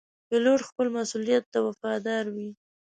پیلوټ خپل مسؤولیت ته وفادار وي.